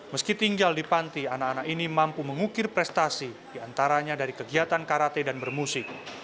meski tinggal di panti anak anak ini mampu mengukir prestasi diantaranya dari kegiatan karate dan bermusik